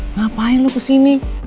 ngapain lu kesini